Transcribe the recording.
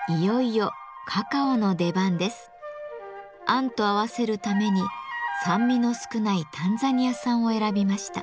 あんと合わせるために酸味の少ないタンザニア産を選びました。